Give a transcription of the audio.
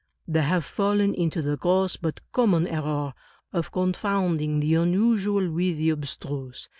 They have fallen into the gross but common error of con founding the unusual with the abstruse.